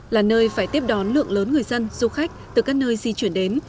là nơi phải tiếp đón lượng lớn người dân du khách từ các nơi di chuyển đến